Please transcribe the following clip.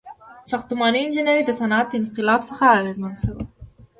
• ساختماني انجینري د صنعتي انقلاب څخه اغیزمنه شوه.